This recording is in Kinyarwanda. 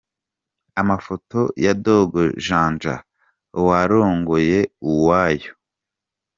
Amafoto ya Dogo Janja warongoye Uwoya.